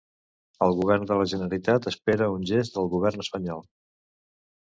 El govern de la Generalitat espera un gest del govern espanyol.